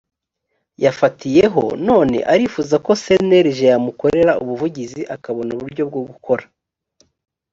yafatiyeho none arifuza ko cnlg yamukorera ubuvugizi akabona uburyo bwo gukora